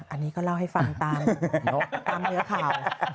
อันนี้ก็เล่าให้ฟังตามเนื้อข่าว